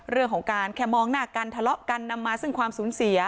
เรื่องของการแค่มองหน้ากันทะเลาะกันนำมาซึ่งความสูญเสีย